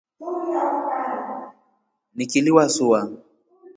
Nikili wasua.